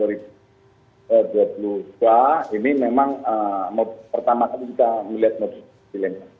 ini memang pertama kali kita melihat modus milenial